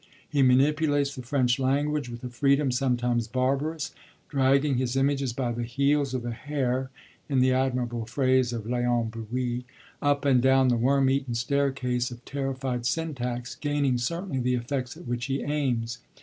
He manipulates the French language with a freedom sometimes barbarous, 'dragging his images by the heels or the hair' (in the admirable phrase of Léon Bloy) 'up and down the worm eaten staircase of terrified syntax,' gaining, certainly, the effects at which he aims.